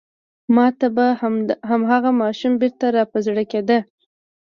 ما ته به هماغه ماشومه بېرته را په زړه کېده.